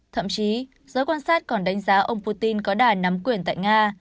thậm chí giới quan sát còn đánh giá ông putin có đài nắm quyền tại nga